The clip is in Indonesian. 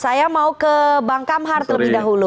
saya mau ke bang kamhar terlebih dahulu